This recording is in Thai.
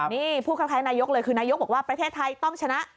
นี่พูดคล้ายนายกเลยคือนายกบอกว่าประเทศไทยต้องชนะ